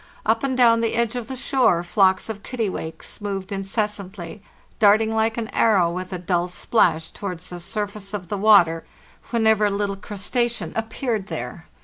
Up and down the edge of the shore flocks of kittiwakes moved inces santly, darting like an arrow, with a dull splash, towards the surface of the water, whenever a little crustacean ap peared there.